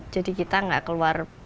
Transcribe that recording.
jadi kita nggak keluar